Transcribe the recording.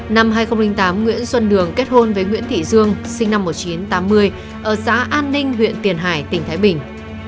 năm hai nghìn tám nguyễn xuân đường kết hôn với nguyễn thị dương sinh năm một nghìn chín trăm tám mươi ở xã an ninh huyện tiền hải tỉnh thái bình